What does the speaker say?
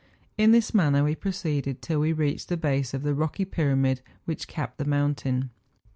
In this manner we proceeded till we reached the base of the rocky pyramid which capped the mountain.